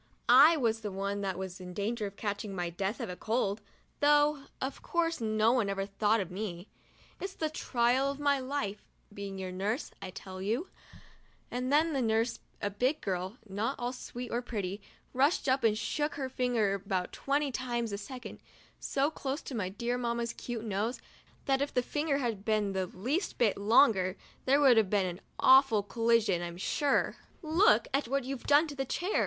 I was the one that was in danger of catching my death of cold, though of course no one ever thought of me. " It's the trial of my life, being your nurse, I tell you," and then the nurse, a big girl not at all sweet or pretty, rushed up and shook her finger about twenty times a second so close to my dear Mamma's cute nose that if the finger had been the least bit longer, there would have been an awful collision, I'm sure. "Look what you've done to the chair!'